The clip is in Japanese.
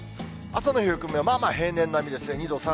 朝の冷え込みは、まあまあ平年並みですね。